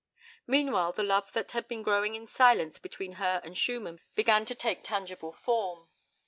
Meanwhile the love that had been growing in silence between her and Schumann began to take tangible form.